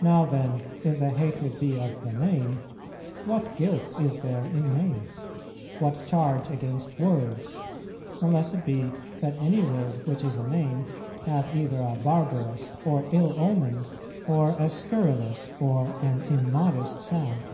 Now, then, if the hatred be of the name, what guilt is there in names? What charge against words? Unless it be that any word which is a name have either a barbarous or ill omened, or a scurrilous or an immodest sound.